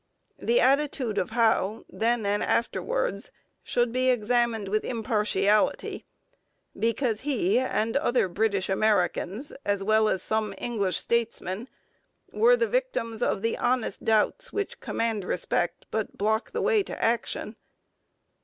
The attitude of Howe, then and afterwards, should be examined with impartiality, because he and other British Americans, as well as some English statesmen, were the victims of the honest doubts which command respect but block the way to action.